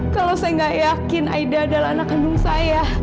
kalau saya nggak yakin aida adalah anak kandung saya